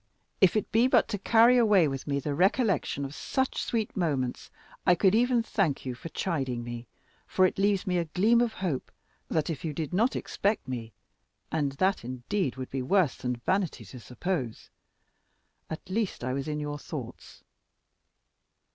If it be but to carry away with me the recollection of such sweet moments, I could even thank you for chiding me, for it leaves me a gleam of hope, that if you did not expect me (and that indeed would be worse than vanity to suppose), at least I was in your thoughts.